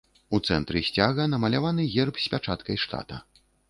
У цэнтры сцяга намаляваны герб з пячаткай штата.